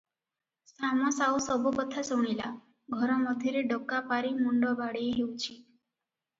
ଶାମ ସାଉ ସବୁ କଥା ଶୁଣିଲା, ଘର ମଧ୍ୟରେ ଡକା ପାରି ମୁଣ୍ଡ ବାଡ଼େଇ ହେଉଛି ।